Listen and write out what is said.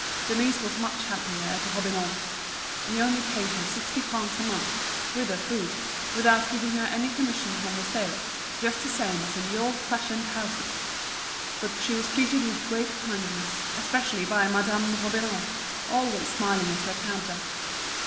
Denise was much happier at Robineau's. He only paid her sixty francs a month, with her food, without giving her any commission on the sales, just the same as in the old fashioned houses. But she was treated with great kindness, especially by Madame Robineau, always smiling at her counter.